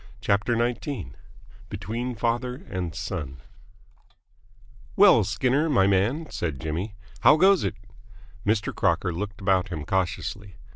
CHAPTER XIX BETWEEN FATHER AND SON "Well, Skinner, my man," said Jimmy, "how goes it?" Mr. Crocker looked about him cautiously.